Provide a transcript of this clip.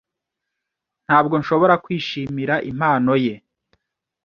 Ntabwo nshobora kwishimira impano ye.